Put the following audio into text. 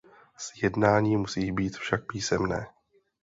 Sjednání musí být však písemné.